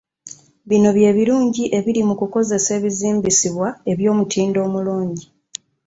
Bino bye birungi ebiri mu kukozesa ebizimbisibwa eby'omutindo omulungi.